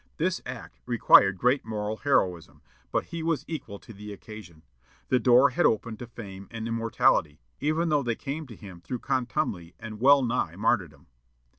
This act required great moral heroism, but he was equal to the occasion. The door had opened to fame and immortality, even though they came to him through contumely and well nigh martyrdom.